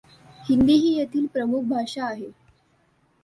हिंदी ही येथील प्रमुख भाषा आहे.